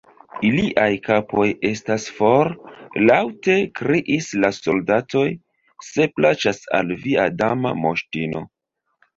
"Iliaj kapoj estas for " laŭte kriis la soldatoj "se plaĉas al via Dama Moŝtino."